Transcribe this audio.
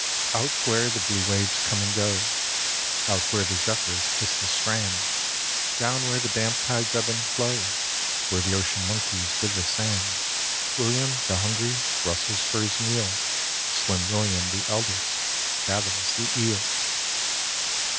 Out where the blue waves come and go, Out where the zephyrs kiss the strand, Down where the damp tides ebb and flow, Where the ocean monkeys with the sand, William, the hungry, rustles for his meal, Slim William, the eldest, gathers the eel.